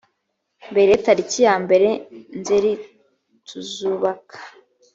mbere tariki ya mbere nzerituzubaka